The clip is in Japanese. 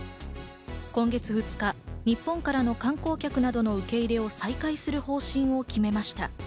今月２日、日本からの観光客などの受け入れを再開する方針を決めました。